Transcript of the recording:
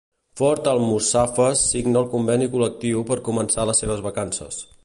Ford Almussafes signa el conveni col·lectiu en començar les seves vacances.